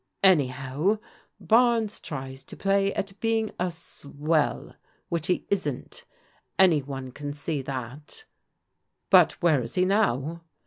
Anyhow, Barnes tries to play at being a swell, which he isn't. Any one can see that" " But where is he now?